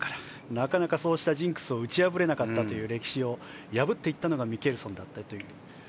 なかなかそうしたジンクスを打ち破れなかった歴史を破っていったのがミケルソンだったという。